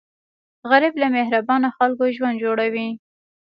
غریب له مهربانه خلکو ژوند جوړوي